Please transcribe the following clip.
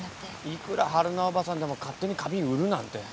いくら春菜叔母さんでも勝手に花瓶売るなんて。